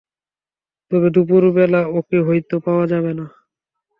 তবে দুপুরবেলা ওকে হয়তো পাওয়া যাবে না।